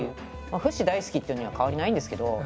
フシ大好きっていうのには変わりないんですけど。